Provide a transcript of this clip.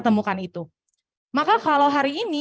temukan itu maka kalau hari ini